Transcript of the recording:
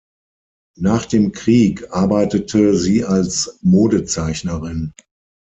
Nach dem Krieg arbeitete sie als Modezeichnerin.